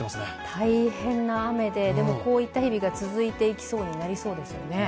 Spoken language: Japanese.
大変な雨で、でもこういった日々が続いていきそうになりそうですね。